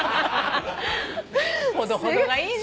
ほどほどがいいね。